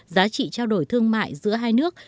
giá trị trao đổi thương mại giữa hai nước